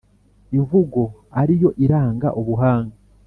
imvugo ari yo iranga ubuhanga,